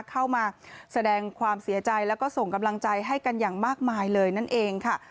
เข้ามาแสดงความเสียใจแล้วก็ส่งกำลังใจให้กันอย่างมากมายเลยนั่นเองค่ะ